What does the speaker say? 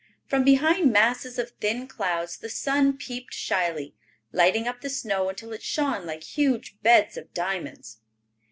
From behind masses of thin clouds the sun peeped shyly, lighting up the snow until it shone like huge beds of diamonds.